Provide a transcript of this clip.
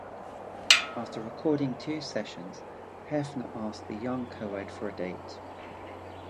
After recording two sessions, Hefner asked the young co-ed for a date.